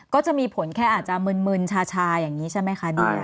ก็จะมีผลแค่อาจจะมึนชาอย่างนี้ใช่ไหมคะเดีย